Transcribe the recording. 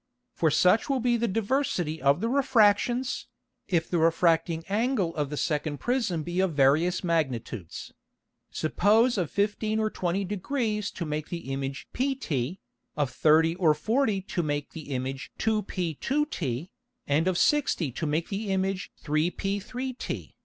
For such will be the diversity of the Refractions, if the refracting Angle of the second Prism be of various Magnitudes; suppose of fifteen or twenty Degrees to make the Image pt, of thirty or forty to make the Image 2p 2t, and of sixty to make the Image 3p 3t.